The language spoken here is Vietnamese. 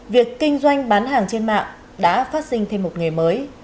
việc kinh doanh bán hàng trên mạng đã phát sinh thêm một nghề mới